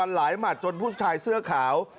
หมัดจนผู้ชายเสื้อขาว